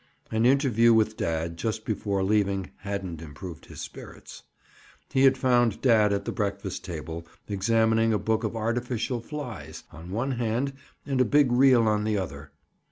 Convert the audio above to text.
An interview with dad just before leaving hadn't improved his spirits. He had found dad at the breakfast table examining a book of artificial flies, on one hand, and a big reel on the other.